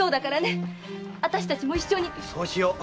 そうしよう。